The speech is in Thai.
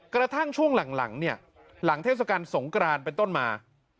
กระทั่งช่วงหลังเนี่ยหลังเทศกาลสงกรานเป็นต้นมา